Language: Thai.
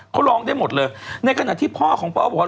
เขาร้องได้หมดเลยในขณะที่พ่อของพ่อบอกว่า